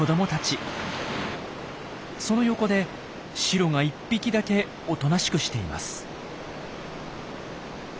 その横でシロが１匹だけおとなしくしています。